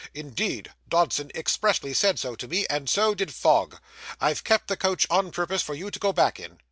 Indeed, Dodson expressly said so to me, and so did Fogg. I've kept the coach on purpose for you to go back in.